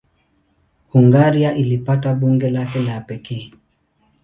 Hungaria ilipata bunge lake la pekee.